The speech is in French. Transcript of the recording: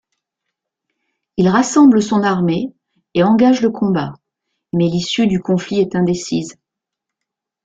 Il rassemble son armée et engage le combat, mais l'issue du conflit est indécise.